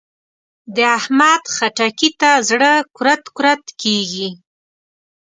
د احمد؛ خټکي ته زړه کورت کورت کېږي.